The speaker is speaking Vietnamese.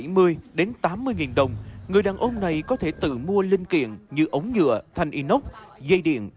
từ bảy mươi đến tám mươi nghìn đồng người đàn ông này có thể tự mua linh kiện như ống nhựa thành inox dây điện